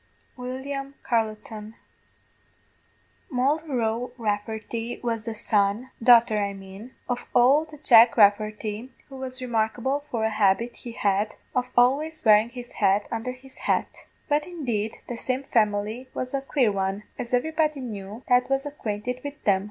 WILLIAM CARLETON. "Moll Roe Rafferty was the son daughter I mane of ould Jack Rafferty, who was remarkable for a habit he had of always wearing his head undher his hat; but indeed the same family was a quare one, as everybody knew that was acquainted wid them.